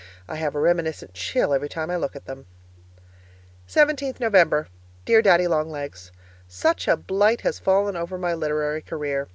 I have a reminiscent chill every time I look at them. 17th November Dear Daddy Long Legs, Such a blight has fallen over my literary career.